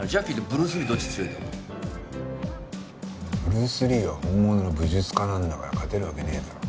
ブルース・リーは本物の武術家なんだから勝てるわけねえだろ。